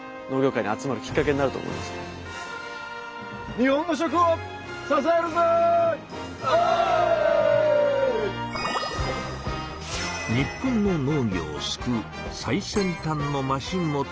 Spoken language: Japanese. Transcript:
日本の農業を救う最先端のマシンも登場しました。